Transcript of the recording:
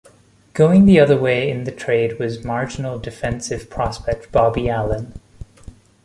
Going the other way in the trade was marginal defensive prospect Bobby Allen.